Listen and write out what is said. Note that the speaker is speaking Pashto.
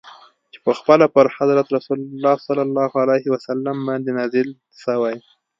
چي پخپله پر حضرت رسول ص باندي نازل سوی.